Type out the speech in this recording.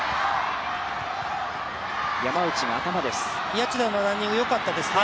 谷内田のランニングよかったですね。